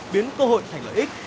biến cơ hội thành lợi ích